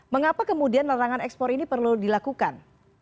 mengapa kemudian larangan ekspor ini perlu dilakukan